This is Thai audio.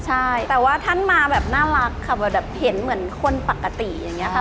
ใช่แต่ว่าท่านมาแบบน่ารักค่ะแบบเห็นเหมือนคนปกติอย่างนี้ค่ะ